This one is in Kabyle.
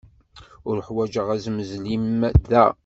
Uḥwaǧeɣ asezmel-im da.